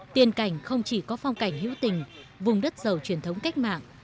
tiên cảnh không chỉ có phong cảnh hữu tình vùng đất giàu truyền thống cách mạng